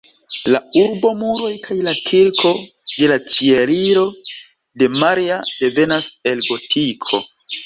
La urbomuroj kaj la kirko de la Ĉieliro de Maria devenas el gotiko.